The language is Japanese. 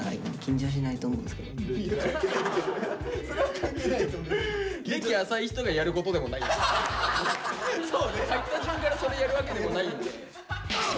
入った順からそれやるわけでもないんで。